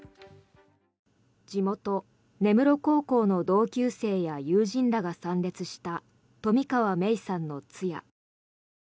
地元・根室高校の同級生や友人らが参列した冨川芽生さんの通夜。